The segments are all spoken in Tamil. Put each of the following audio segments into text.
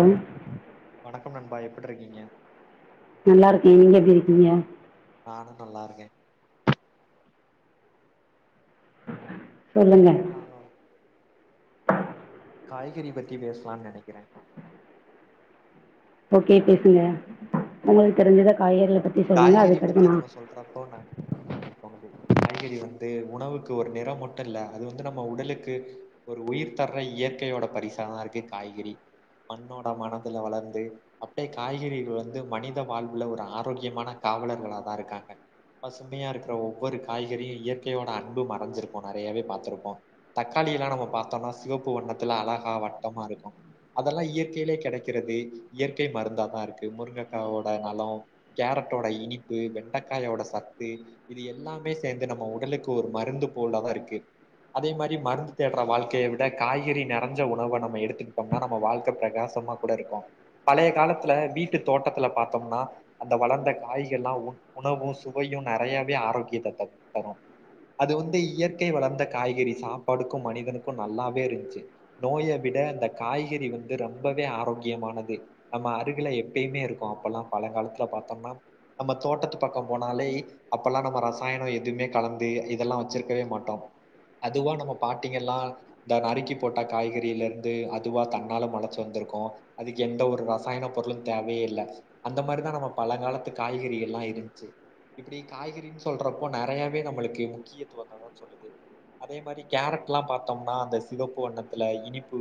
ஆ வணக்கம் நண்பா எப்டிறிக்கீங்க நல்லா இருக்கே நீங்க எப்டி இருக்கீங்க நானு நல்லா இருக்கே சொல்லுங்க [unintelligible] காய்கறி பத்தி பேசலான் நெனக்குறே ஓகே பேசுங்க ஒங்களுக்கு தெரிஞ்ச காய்கறிகள பத்தி சொல்லுங்க அதுக்கடுத்து நா ப்போ காய்கறி வந்து உணவுக்கு ஒரு நிறம் மட்டும் இல்ல அது வந்து நம்ம உடலுக்கு இருக்கு ஒரு உயிர்தர இயற்கையோட பரிசா தா இருக்கு காய்கறி மண்ணோட மனதுல வளர்ந்து அப்டியே காய்கறிகள் வந்து மனித வாழ்வுல ஒரு ஆரோக்கிய முக்கியமான காவலர்கலா தா இருக்காங்க பசுமையா இருக்குற ஒவ்வொரு காய்கறியு இயற்கையோட அன்பு மறஞ்சிருக்கு நெறயாவே பாத்திருப்போ தக்காளி எல்லா நம்ம பாத்தோனா சிவப்பு வண்ணத்துல அழகா வட்டமா இருக்கு அதெல்லா இயற்கையிலயே கெடைக்குறது இயற்கை மருந்தா தா இருக்கு முருங்கக்காவோட நலோ கேரட்டோட இனிப்பு வெண்டக்காயோட சத்து இது எல்லாமே சேந்து நம்ம உடலுக்கு ஒரு மருந்து போலாதா இருக்கு அதே மாரி மருந்து தேடுற வாழ்க்கைய விட காய்கறி நெறஞ்ச உணவ நம்ம எடுத்துகிட்டோம்னா நம்ம வாழ்க்க பிரகாசமா கூட இருக்கு பழய காலத்துல வீட்டு தோட்டத்துல பாத்தோம்னா அந்த வளர்ந்த காய்கள்லா உ உணவு சுவையு நெறயாவே ஆரோக்கியத்த த தரு அது வந்து இயற்கை வளர்ந்த காய்கறி சாப்பாடுக்கு மனிதனுக்கு நல்லாவே இருந்ச்சு நோய விட அந்த காய்கறி வந்து ரொம்பவே ஆரோக்கியமானது நம்ம அருகில எப்பயுமே இருக்கு அப்பல்லா பழங்காலத்துல பாத்தோம்னா நம்ம தோட்டத்து பக்கம் போனாலே அப்பல்லா நம்ம ரசாயனம் எதுமே கலந்து இதெல்லா வெச்சிருக்கவே மாட்டோ அதுவு நம்ம பாட்டீங்கல்லா இந்த நறுக்கி போட்ட காய்கறில இருந்து அதுவா தன்னால மொளச்சு வந்திருக்கு அது எந்த ஒரு ரசாயன பொருளு தேவையே இல்ல அந்த மாரிதா நம்ம பழங்காலத்து காய்கறிலா இருந்துச்சு இப்படி காய்கறின்னு சொல்றப்போ நிறையாவே நம்மளுக்கு முக்கியத்துவத்த தா சொல்லுது அதே மாரி கேரட்லா பாத்தோம்னா அந்த சிவப்பு வண்ணத்துல இனிப்பு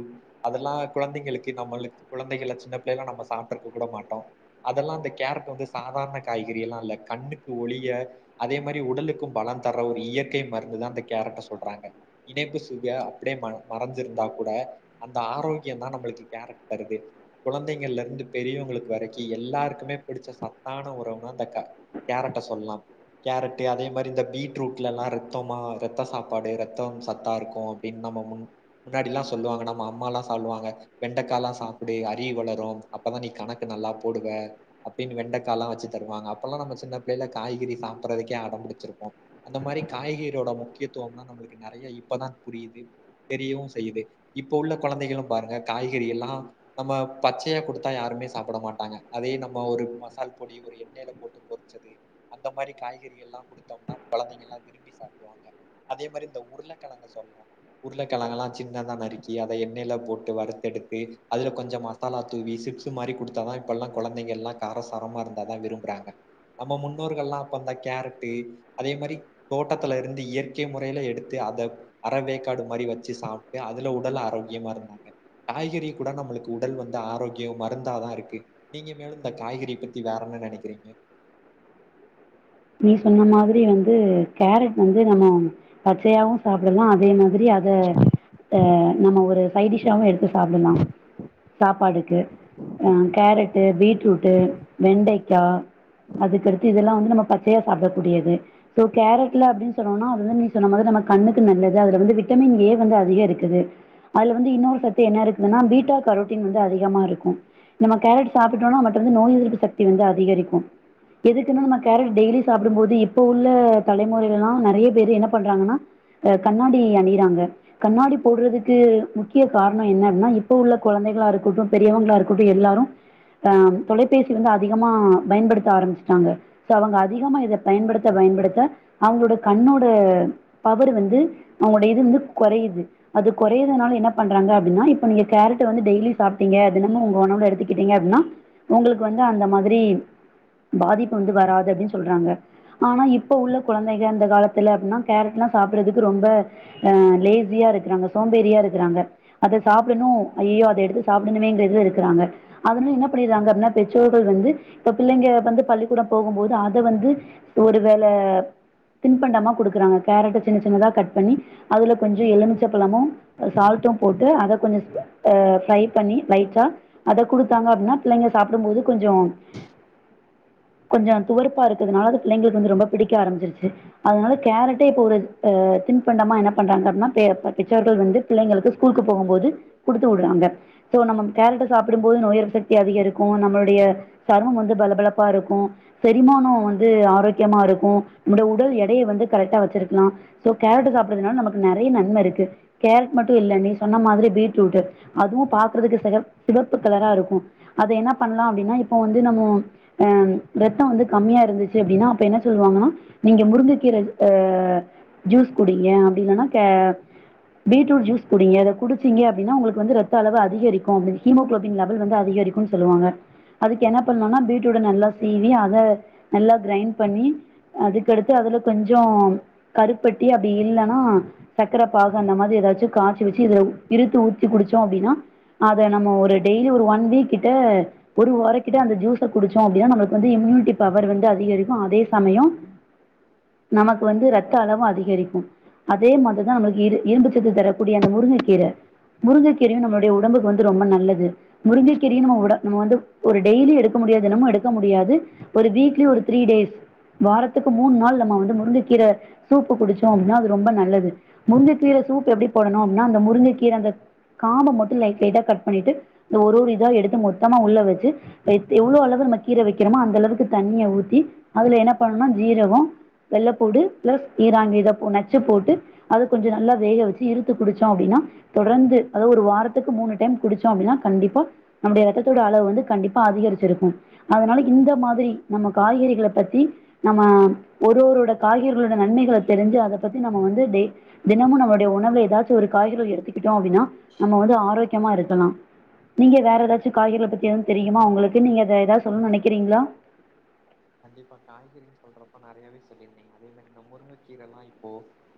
அதெல்லா குழந்தைங்களுக்கு நம்மளுக்கு குழந்தைகள சின்ன பிள்ளல்லா நம்ம சாப்ட்டுருக்க கூட மாட்டோ அதெல்லா அந்த கேரட் வந்து சாதாரண காய்கறில்லா இல்ல கண்ணுக்கு ஒளிய அதே மாரி உடலுக்கும் பலம் தர ஒரு இயற்கை மருந்துதா அந்த கேரட்ட சொல்றாங்க இணைப்பு சுக அப்டியே ம மறைஞ்சிருந்தா கூட அந்த ஆரோக்கியந்தா நம்மளுக்கு கேரட் தருது குழந்தைங்கள்ல இருந்து பெரியவங்களுக்கு வரைக்கு எல்லாருக்குமே பிடிச்ச சத்தான உணவுனா இந்த க கேரட்ட சொல்லா கேரட்டு அதே மாரி இந்த பீட்ரூட்லலா ரத்தமா ரத்த சாப்பாடு ரத்தம் சத்தா இருக்கும் இன் நம்ம முன் முன்னாடிலா சொல்லுவாங்க நம்ம அம்மாலா சாப்பிடுவாங்க வெண்டக்காலா சாப்பிடு அறிவு வளரும் அப்பதா நீ கணக்கு நல்லா போடுவ அப்படின்னு வெண்டக்காலா வெச்சு தருவாங்க அப்பெல்லா நம்ம சின்ன பிள்ளைல காய்கறி சப்பறதுக்கே அடம்பிடுச்சிருப்போ அந்த மாரி காய்கறியோட முக்கியத்துவம்னா நம்மளுக்கு நறைய இப்பதா புரியுது தெரியவு செய்யுது இப்ப உள்ள குழந்தைகளு பாருங்க காய்கறி எல்லா நம்ம பச்சையா குடுத்தா யாருமே சாப்பிட மாட்டாங்க அதே நம் ம ஒரு மசால் பொடி ஒரு எண்ணெயில போட்டு பொரிச்சது அந்த மாரி காய்கறிகள் எல்லா குடுத்தோம்னா குழந்தைங்க எல்லா விரும்பி சாப்பிடுவாங்க அதே மாரி இந்த உருளகழங்க சொல்னு உருளக்கிழங்கல்லா சின்னதா நறுக்கி அத எண்ணெயில போட்டு வறுத்தெடுத்து அதுல கொஞ்ச மசா மசாலா தூவி சிப்ஸ் மாரி குடுத்தாதா இப்பெல்லா குழந்தைங்க எல்லா காரசாரமா இருந்தாதா விரும்புறாங்க நம்ம முன்னோர்கள்லா அப்ப அந்த கேரட்டு அதே மாரி தோட்டத்துல இருந்து இயற்கை முறையில எடுத்து அத அறவேக்காடு மாரி வெச்சு சாப்ட்டு அதுல உடல் ஆரோக்கியமா இருந்தாங்க காய்கறி கூட நம்மளுக்கு உடல் வந்து ஆரோக்கியம் மருந்தாதா இருக்கு நீங்க மேலும் இந்த காய்கறி பத்தி வேற என்ன நினைக்கிறீங்க நீ சொன்ன மாரி வந்து கேரட் வந்து நம்ம பச்சையாவு சாப்பிடலா அதேமா ரி அத அ நம்ம ஒரு சைடிஷாவு எடுத்து சாப்பிடலா சாப்பாடு ம் அ கேரட்டு பீட்ரூட்டு வெண்டைக்கா அதுக்கடுத்து இதெல்லா வந்து நம்ம ப ச்சயா சாப்பிடக்கூடியது சோ கேரட்ல அப்டின்னு சொன்னோனா அது வந்து நீ சொன்ன மாரி நமக்கு கண்ணுக்கு நல்லது அதுல வந்து விட்டமின் ஏ வந்து அதிக இருக்குது அதுல வந்து இன்னொரு சத்து என்ன இருக்குதுன்னா பீட்டா கரோட்டின் வந்து அதிகமா இருக்கு நம்ம கேரட் சாப்பிட்டோனா நம்மட்ட இருந்து நோய் எதிர்ப்பு சக்தி வந்து அதிகரிக்கு எதுக்குன்னா நம்ம கேரட் டெய்லி சாப்பிடும்போது இப்ப உள்ள தலைமுறைகள்லா நறைய பேர் என்ன பண்றாங்கன்னா அ கண்ணாடி அணியிறாங்க கண்ணாடி போடுறதுக்கு முக்கிய காரணம் என்ன அப்படின்னா இப்ப உள்ள குழந்தைகளா இருக்கட்டு பெரியவங்களா இருக்கட்டு எல்லாரு ஆ தொலைபேசி வந்து அதிகமா பயன்படுத்த ஆரம்பிச்சுட்டாங்க சோ அவுங்க அதிகமா இத பயன்படுத்த பயன்படுத்த அவுங்களோட கண்ணோட பவர் வந்து அவங்களோடைய இது வந்து குறையுது அது குறையதுனால என்ன பண்றாங்க அப்படின்னா இப்ப நீங்க கேரட்டு வ டெய்லி சாப்பிட்டீங்க தினமும் நம்ம உணவுல எடுத்துக்கிட்டீங்க அப்படின்னா உங்களுக்கு வந்து அந்த மாதிரி பாதிப்பு வந்து வராது அப்படின்னு சொல்றாங்க ஆனா இப்ப உள்ள குழந்தைகள் அந்த காலத்துல அப்படின்னா கேரட் எல்லாம் சாப்பிடுறதுக்கு ரொம்ப அஹ் லேசியா இருக்கிறாங்க சோம்பேறியா இருக்கிறாங்க அத சாப்பிடணும் ஐய்யயோ அதை எடுத்து சாப்பிடணுமேன்றது இருக்காங்க அதனால என்ன பண்ணிடுறாங்க அப்படினா பெற்றோர்கள் வந்து இப்ப பிள்ளைங்க வந்து பள்ளிக்கூடம் போகும்போது வந்து ஒருவேளை திண்பண்டமா கொடுக்குறாங்க கேரட்டை சின்ன சின்னதா கட் பண்ணி அதுல கொஞ்சம் எலுமிச்ச பழமும் சால்ட்டும் போட்டு அதை கொஞ்சம் ஆஹ் ஃப்ரை பண்ணி லைட்டா அத கொடுத்தாங்க அப்படின்னா பிள்ளைங்க சாப்பிடும்போது கொஞ்சம் கொஞ்சம் துவ இருக்குதுனால அ பிள்ளைங்களுக்கு வந்து ரொம்ப பிடிக்க ஆரம்பிச்சிருச்சு அதனால கேரட்டே இப்ப ஒரு் திண்பண்டமா என்ன பண்றாங்க அப்படின்னா பெச்சர்கள் வந்து பிள்ளைங்களுக்கு ஸ்கூலுக்கு போகும்போது கொடுத்து விடுறாங்க ஸோ நம்ம கேரட்டை சாப்பிடும்போது நோய் எதிர்ப்பு சக்தி அதிகரிக்கும் நம்மளுடைய சர்மம் வந்து பளபளப்பா இருக்கும் பரிமாமானம் வந்து ஆரோக்கியமா இருக்கும் நம்ம உடல் எடையை வந்து கரெக்டா வச்சிருக்கலாம் சோ கேரட்ட சாப்படுறதுனால நமக்கு நறைய நன்மை இருக்கு கேரட் மட்டும் இல்ல நீ சொன்ன மாதிரி பீட்ரூட் அதுவும் பாக்குறதுக்கு சிக சிகப்பு கலரா இருக்கும் அது என்ன பண்ணலாம் இப்போ வந்து நம்ம அஹ் வந்து இருந்துச்சு அப்படின்னா என்ன சொல்லுவாங்கன்னா நீங்க முருங்கைக் கீரை அஹ் ஜூஸ் குடிங்க அப்படி இல்லைனா கே பீட்ரூட் ஜூஸ் குடிங்க அதை குடிச்சிங்க அப்படினா உங்களுக்கு வந்து ரத்த அளவு அதிகரிக்கும் ஹீமோகுளோபின் லெவல் வந்து அதிகரிக்கும் சொல்லுவாங்க அதுக்கு என்ன பண்ணும்னா பீட்ரூட்ட நல்லா சீவி அதை நல்லா கிரைண் பண்ணி அதுக்கடுத்து அதோட கொஞ்சம் கருப்பட்டி அப்படி இல்லைனா சக்கரை பாகு அந்த மாதிரி ஏதாச்சும் காய்சு வச்சு இதுல இறுத்து ஊத்தி குடிச்சோம் அப்படின்னா அத நம்ம ஒரு டெய்லி ஒரு ஒன் வீக் கிட்ட ஒரு வாரம் கிட்ட அந்த ஜூஸை குடிச்சோம் அப்படினா நம்ம வந்து இம்யூனிட்டி பவர் வந்து அதிகரிக்கும் அதே சமயம் நமக்கு ரத்த அளவும் அதிகரிக்கும் அதே மாதிரிதான் நம்மளுக்கு இரு இரும்பு சத்து தரக்கூடிய அந்த முருங்கைக்கீரை முருங்கைக் கீரையும் நம்மளுடைய உடம்புக்கு வந்து ரொம்ப நல்லது முருங்கைக் கீரையும் நம்ம உட நம்ம வந்து ஒரு டெய்லி எடுக்க முடியாது தினமும் எடுக்க முடியாது ஒரு வீக்லி ஒரு த்ரீ டேஸ் வாரத்துக்கு மூணு நாள் நம்ம வந்து முருங்கக்கீரை சூப்பு குடிச்சோம் அப்படின்னா அது ரொம்ப நல்லது முருங்கக்கீரை சூப் எப்படி போடணும் அப்படனா அந்த முருங்கை கீரை அந்த காம்ப மட்டும் லைட் லைட்டா கட் பண்ணிட்டு இந்த ஒரு ஒரு இதா எடுத்து மொத்தமா உள்ள வச்சு எவ்வளவு அளவு நம்ம கீரை வைக்கிறமோ அந்த அளவுக்கு தண்ணிய ஊத்தி அதுல என்ன பண்ணனும்னா ஜீரகம் வெள்ளை பூண்டு பிளஸ் ஈரான் மீதை நச்சு போட்டு அது கொஞ்ச நல்லா வேக வெச்சு இருத்து புடிச்சோ அப்டின்னா தொடர்ந்து அதாவது ஒரு வாரத்துக்கு மூணு டைம் குடிச்சோம் அப்படின்னா கண்டிப்பா நம்முடைய ரத்ததோட அளவு வந்து கண்டிப்பா அதிகரிச்சிருக்கும் அதனால இந்த மாதிரி நம்ம காய்கறிகள பத்தி நம்ம ஒரு ஒருவரோட காய்கரிகளோட நன்மைகள தெரிஞ்சு அத பத்தி நம்ம வந்து டெ தினமும் நம்ளோடைய உணவுல ஏதாச்சும் ஒரு காய்கள எடுத்துக்கிட்டோம் அப்டின்னா நம்ம வந்து ஆரோக்கியமா இருக்கலாம் நீங்க வேற எதாச்சு காய்கறிகல பத்தி எது தெரியுமா ஒங்களுக்கு நீங்க அத எதாவ்து சொல்ன் நெனைக்கிறீங்ளா கண்டிப்பா காய்கறின் சொல்றப்ப நெறயாவே சொல்லியிருந்திங்க அதே மாரி இந்த முருங்கக்கீரல்லா இப்போ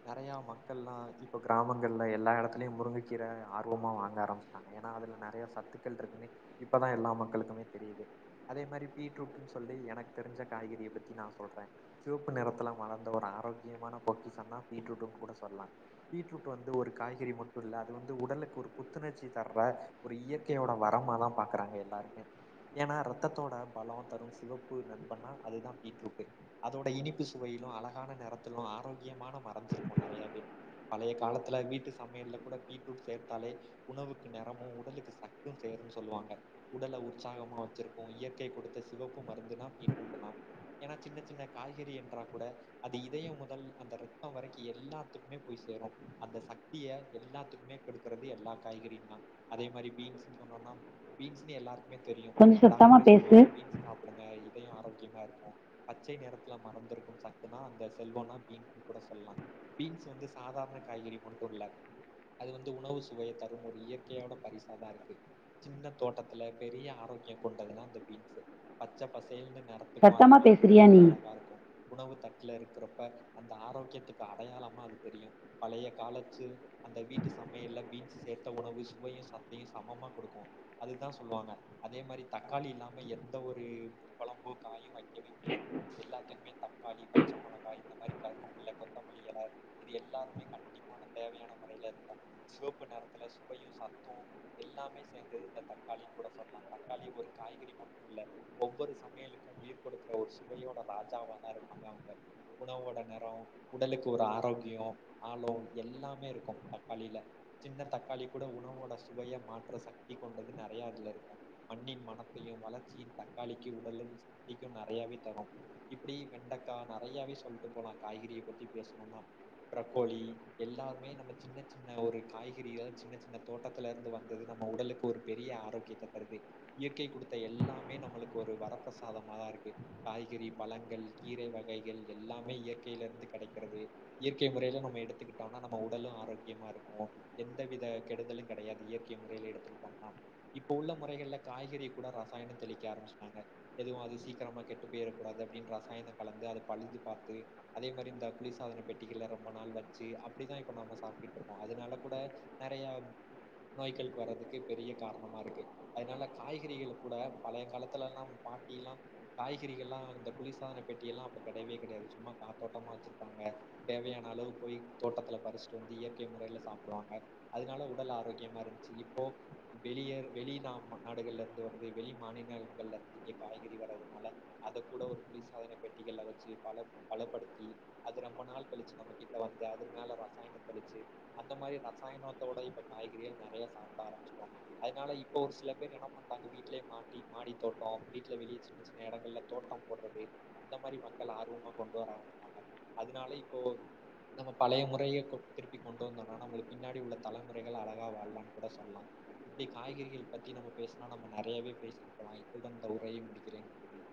நெறயா மக்கள்லா இப்ப கிராமங்கள்ல எல்லா எடத்துலயு முருங்ககீர ஆர்வமா வாங்க ஆரம்பிச்ட்டாங்க ஏனா அதுல நெறயா சத்துக்கள்ட்ருக்குன்னே இப்பதா எல்லா மக்களுக்குமே தெரியிது அதே மாரி பீட்ரூட்ன்னு சொல்லி எனக்கு தெரிஞ்ச காய்கறிய பத்தி நா சொல்றே சிவப்பு நிறத்துல மலர்ந்த ஒரு ஆரோக்கியமான பொக்கிசம் தா பீட்ரூட்ன்னுங் கூட சொல்லா பீட்ரூட் வந்து ஒரு காய்கறி மட்டு இல்ல அது வந்து உடலுக்கு ஒரு புத்துணர்ச்சி தர்ற ஒரு இயற்கையோட வரமாதா பாக்கறாங்க எல்லாருமே ஏனா ரத்தத்தோட பலோ தரு சிவப்பு நண்பன்னா அதுதா பீட்ரூட்டு அதோட இனிப்பு சுவையிலு அழகான நெறத்துலு ஆரோக்கியமான மறஞ்சிருக்கு நெறயாவே பழய காலத்துல வீட்டு சமையல்ல கூட பீட்ரூட் சேத்தாலே உணவுக்கு நெறமு உடலுக்கு சத்து சேருன் சொல்லுவாங்க உடல உற்சாகமா வெச்சிருக்கு இயற்கை குடுத்த சிவப்பு மருந்துனா பீட்ரூட்டுதா ஏனா சின்ன சின்ன காய்கறி என்றா கூட அது இதயம் முதல் அந்த ரத்தோ வரைக்கு எல்லாத்துக்குமே போய் சேரு அந்த சக்திய எல்லாத்துக்குமே கொடுக்கற்து எல்லா காய்கறிம்தா அதே மாரி பீன்ஸ்ன்னு சொன்னோன்னா பீன்ஸ்ன்னு எல்லாருக்குமே தெரியு கொஞ்சம் சத்தமாக டாக்டரே பேசு சொல்லுவாங்க பீன்ஸ் சாப்பிடுங்க இதயோ ஆரோக்கியமா இருக்கு பச்சை நிறத்துல மறஞ்சிருக்கும் சத்துனா அந்த செல்வோனா பீன்ஸ்ன்னு கூட சொல்லா பீன்ஸ் வந்து சாதாரண காய்கறி போன்றதுல்ல அது வந்து உணவு சுவைய தரு ஒரு இயற்கையோட பரிசா தா இருக்கு சின்ன தோட்டத்துல பெரிய ஆரோக்யம் கொண்டதுனா இந்த பீன்ஸ்சு பச்ச ப சேல் நெறத்துக்கு அத சத்தமாக பேசுறியா பாக்கற்துக்கே நீ அழகா இருக்கு உணவு தட்ல இருக்கறப்ப அந்த ஆரோக்கியத்துக்கு அடயாளமா அது தெரியு பலய காலச்சு அந்த வீட்டு சமயல்ல பீன்ஸ் சேத்த உணவு சுவயு சத்தயு சமமா குடுக்கு அது தா சொல்லுவாங்க அதேமாரி தக்காளி இல்லாம எந்த ஒரு கொழம்பு காயு வைக்கவே முடியாது எல்லாத்துக்குமே தக்காளி பச்ச மொளகாய் இந்த மாரி கருவேப்பிள்ள கொத்தமல்லி எல இது எல்லாருமே கண்டிப்பான தேவயான மொறயில இருக்கு சிவப்பு நெறத்துல சுவயு சத்து எல்லாமே சேந்தது இந்த தக்காளின் கூட சொல்லா தக்காளி ஒரு காய்கறி மட்டு இல்ல ஒவ்வொரு சமயலுக்கு உயிர் கொடுக்குற ஒரு சுவயோட ராஜாவா தா இருக்காங்க அவுங்க உணவோட நெறோ உடலுக்கு ஒரு ஆரோக்கியோ ஆலோ எல்லாமே இருக்கும் தக்காளியில சின்ன தக்காளி கூட உணவோட சுவய மாற்ற சக்தி கொண்டது நெறையா அதுல இருக்கு மண்ணின் மணத்தயு வளர்ச்சியு தக்காளிக்கு உடலும் சக்திக்கு நெறையாவே தரு இப்டி வெண்டக்கா நெறயாவே சொல்ட்டு போலா காய்கறிய பத்தி பேசணுனா ப்ரக்கோலி எல்லாருமே நம்ம சின்ன சின்ன ஒரு காய்கறிய சின்ன சின்ன தோட்டத்துலருந்து வந்தது நம்ம உடலுக்கு ஒரு பெரிய ஆரோக்கியத்த தருது இயற்கை குடுத்த எல்லாமே நம்முளுக்கு ஒரு வரப்பிரச சாதமாதா இருக்கு காய்கறி பழங்கள் கீரை வகைகள் எல்லாமே இயற்கையிலருந்து கெடைகறது இயற்கை முறைல நம்ம எடுத்துக்கிட்டோனா நம்ம உடலு ஆரோக்கியமா இருக்கு எந்தவித கெடுதலு கெடையாது இயற்கை முறைல எடுத்துகிட்டம்னா இப்ப உள்ள முறைகள்ல காய்கறிய கூட ரசாயனோ தெளிக்க ஆரம்பிச்ட்டாங்க எதுவு அது சீக்கரமா கெட்டு போயிறக்கூடாது அப்டின் ரசாயனோ கலந்து அது பழுது பாத்து அதே மாரி இந்த குளிர் சாதன பெட்டிகள்ல ரொம்ப நாள் வச்சு அப்படிதா இப்ப நம்ம சாப்ட்டுட்ருக்கோ அதனால கூட நெறயா நோய்கள் வர்றதுக்கு பெரிய காரணமா இருக்கு அதனால காய்கறிகள் கூட பழைய காலத்துலலா பாட்டிலா காய்கறிகள்லா இந்த குளிர்சாதன பெட்டி எல்லா அப்ப கெடையவே கெடையாது சும்மா காத்தோட்டமா வெச்சிருப்பாங்க தேவையான அளவுக் போய் தோட்டத்துல பறிச்சுட்டு வந்து இயற்கை முறையல சாப்புடுவாங்க அதனால உடல் ஆரோக்கியமா இருந்துச்சு இப்போ வெளிய வெளி நாம நாடுகள்லருந்து வருது வெளி மாநிலங்கள்ருந்து இங்க காய்கறி வர்றதுனால அத கூட ஒரு குளிர் சாதன பெட்டிகள்ல வெச்சு பல பலப்படுத்தி அது ரொம்ப நாள் கழிச்சு நம்ம கிட்ட வந்து அது மேல ரசாயன தெளிச்சு அந்த மாரி ரசாயனத்தோட இப்ப காய்கறிகள் நெறையா சாப்பிட ஆரம்பிச்சிட்டோ அதனால இப்ப ஒரு சில பேர் என்ன பண்ட்டாங்க வீட்லயே மாட்டி மாடி தோட்ட வீட்ல வெளிய சின்ன சின்ன எடங்கள்ல தோட்டம் போடறது அந்த மாரி மக்கள் ஆர்வமா கொண்டு வர ஆரம்பிப்பாங்க அதனால இப்போ நம்ம பழைய முறைய கொ திருப்பி கொண்டு வந்தோனா நம்மளுக்கு பின்னாடி உள்ள தலைமுறைகள் அழகா வாழலான்னு கூட சொல்லலா இப்படி காய்கறிகள் பத்தி நம்ம பேசனா நம்ம நெறையாவே பேசிட்டு போலா இத்துடன் இந்த உரையை முடிக்கிறேன் நன்றி